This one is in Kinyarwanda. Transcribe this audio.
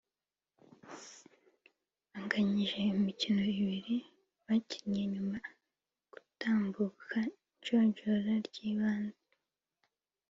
anganyije imikino ibiri bakinnye nyuma gutambuka ijonjora ry’ibanze